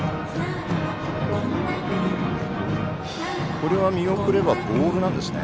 これは見送ればボールだったんですね。